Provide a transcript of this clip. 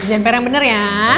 berjalan pr yang bener ya